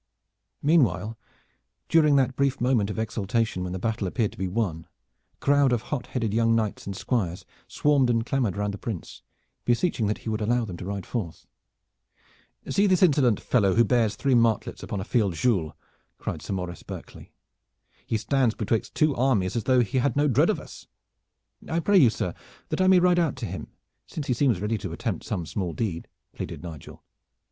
Meanwhile during that brief moment of exultation when the battle appeared to be won, a crowd of hot headed young knights and squires swarmed and clamored round the Prince, beseeching that he would allow them to ride forth. "See this insolent fellow who bears three martlets upon a field gales!" cried Sir Maurice Berkeley. "He stands betwixt the two armies as though he had no dread of us." "I pray you, sir, that I may ride out to him, since he seems ready to attempt some small deed," pleaded Nigel.